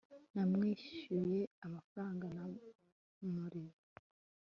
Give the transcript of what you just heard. namwishyuye amafaranga namurimo